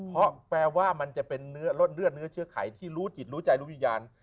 เพราะแปลว่ามันจะเป็นเลือดเนื้อเชื้อข่ายที่รู้จิตรู้ใจรู้ยุญญาณ